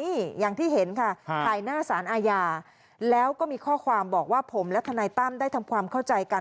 นี่อย่างที่เห็นค่ะถ่ายหน้าสารอาญาแล้วก็มีข้อความบอกว่าผมและทนายตั้มได้ทำความเข้าใจกัน